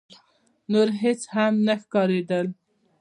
نور هيڅ هم نه ښکارېدل.